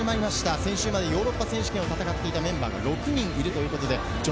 先週までヨーロッパ選手権を戦っていたメンバーが６人います。